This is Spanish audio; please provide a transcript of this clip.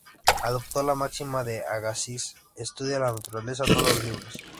Adoptó la máxima de Agassiz: "¡estudia la naturaleza, no los libros!